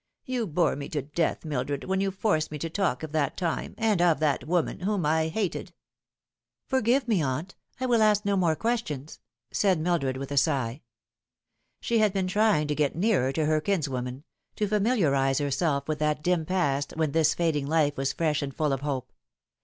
You bore me to death, Mildred, when you force me to talk of that time, and of that woman, whom I hated." " Forgive me, aunt, I will ask no more questions," said Mil dred, with a sigh. She had been trying to get nearer to her kinswoman, to S20 The Fatal Three. familiarise herself with that dim past when this fading life was fresh and full of hope.